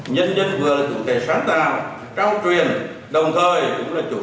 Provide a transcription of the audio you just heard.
nhân dân vừa là chủ thể sáng tạo trao truyền đồng thời cũng là chủ thể thu hưởng